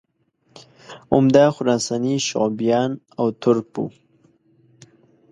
عمده خراساني شعوبیان او ترک وو